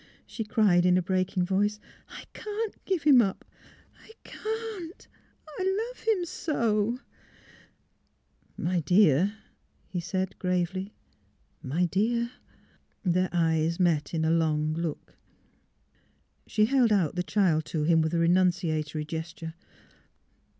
" she cried, in a breaking voice. *' I — I can't give him up — I can 't ! I love him so !"'' My dear," he said, gravely. " My dear! " Their eyes met in a long look. ... She held out the child to him with a renunciatory gesture.